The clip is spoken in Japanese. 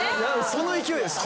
その勢いです